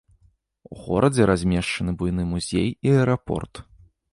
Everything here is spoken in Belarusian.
У горадзе размешчаны буйны музей і аэрапорт.